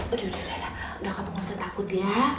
udah udah udah udah kamu gak usah takut ya